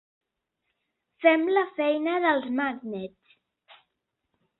Fem la feina dels magnets.